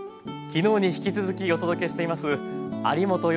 昨日に引き続きお届けしています有元さん